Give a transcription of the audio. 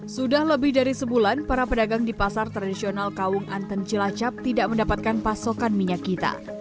sudah lebih dari sebulan para pedagang di pasar tradisional kaung anten cilacap tidak mendapatkan pasokan minyak kita